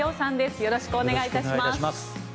よろしくお願いします。